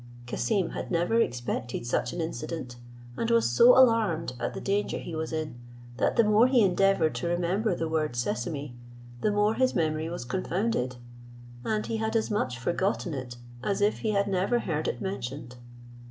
Cassim had never expected such an incident, and was so alarmed at the danger he was in, that the more he endeavoured to remember the word Sesame, the more his memory was confounded, and he had as much forgotten it as if he had never heard it mentioned.